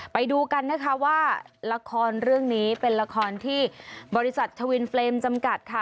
ไปดูกันนะคะว่าละครเรื่องนี้เป็นละครที่บริษัททวินเฟรมจำกัดค่ะ